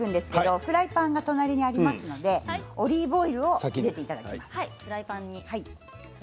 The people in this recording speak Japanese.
フライパンが隣にありますのでオリーブオイルを入れていただきます。